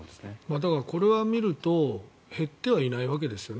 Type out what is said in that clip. だからこれを見ると減ってはいないわけですよね